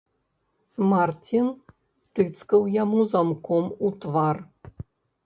Марцін тыцкаў яму замком у твар.